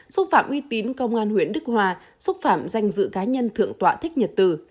xúc phạm uy tín công an huyện đức hòa xúc phạm danh dự cá nhân thượng tọa thích nhật tử